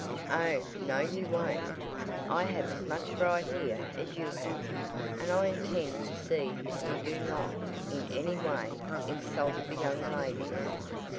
"Oh, no, you won't. I have as much right here as you have, and I intend to see that you do not, in any way, insult the young ladies!"